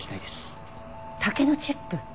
竹のチップ！